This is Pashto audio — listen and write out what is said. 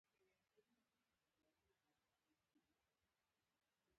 د ژبې د سوځیدو لپاره باید څه شی وکاروم؟